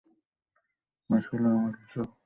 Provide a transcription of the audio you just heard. আসলে প্রতিনিয়ত সমাজ পরিবর্তিত হচ্ছে।